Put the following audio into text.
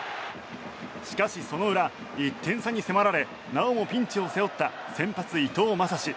しかし、その裏１点差に迫られなおもピンチを背負った先発、伊藤将司。